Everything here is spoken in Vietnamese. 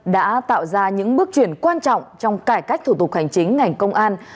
đã tạo ra những bước chuyển quan trọng trong cải cách thủ tục hành chính ngành công an